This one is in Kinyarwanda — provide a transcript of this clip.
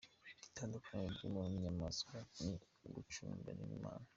Itandukaniro y’umuntu n’inyamaswa ni ugucungurwa n’Imana